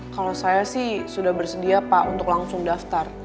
kalau saya sih sudah bersedia pak untuk langsung daftar